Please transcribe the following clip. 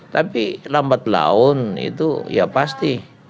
tapi lambat laun itu ya pasti